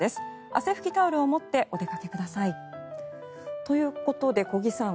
汗拭きタオルを持ってお出かけください。ということで小木さん